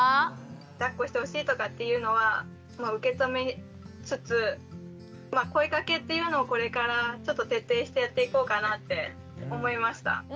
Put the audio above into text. だっこしてほしいとかっていうのは受け止めつつ声かけっていうのをこれからちょっと徹底してやっていこうかなって思いました。